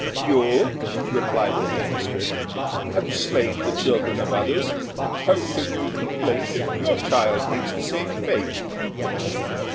"You," replied the magistrate, "have slain the children of others; how can you complain if your child meets the same fate?"